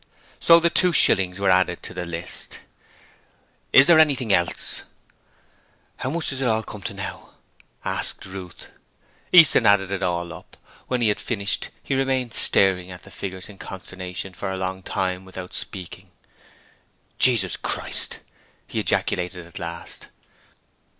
So the two shillings were added to the list. 'Is there anything else?' 'How much does it all come to now?' asked Ruth. Easton added it all up. When he had finished he remained staring at the figures in consternation for a long time without speaking. 'Jesus Christ!' he ejaculated at last.